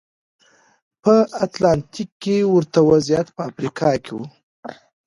په اتلانتیک کې ورته وضعیت په افریقا کې و.